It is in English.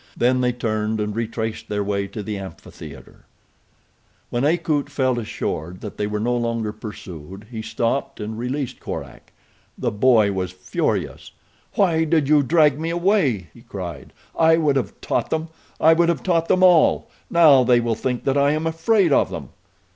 Then they turned and retraced their way to the amphitheater. When Akut felt assured that they were no longer pursued he stopped and released Korak. The boy was furious. "Why did you drag me away?" he cried. "I would have taught them! I would have taught them all! Now they will think that I am afraid of them."